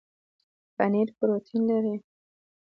پنیر پروټین لري